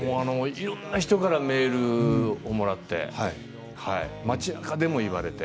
いろんな人からメールをもらって街なかでも言われて。